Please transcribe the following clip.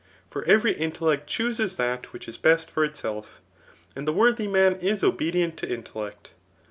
For every intellect chooses that which k best for itself; and the worthy man is obe dient to intellect.